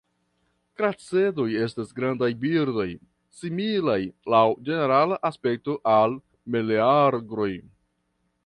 Kracedoj estas grandaj birdoj, similaj laŭ ĝenerala aspekto al meleagroj.